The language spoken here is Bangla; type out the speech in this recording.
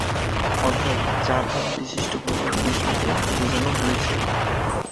অর্থাৎ চার হাত বিশিষ্ট ভগবান বিষ্ণুকে বোঝানো হয়েছে।